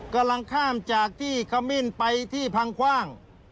กำลังข้ามจากที่ขมิ้นไปที่พังคว่าง